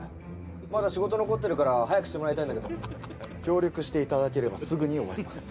まだ仕事残ってるから早くしてもらいたいんだけど協力していただければすぐに終わります